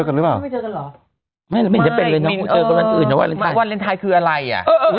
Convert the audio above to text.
ไม่ไม่มีจะเป็นเลย